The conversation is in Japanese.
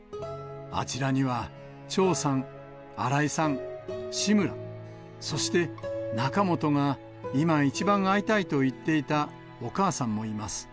あちらには長さん、荒井さん、志村、そして仲本が今一番会いたいと言っていたお母さんもいます。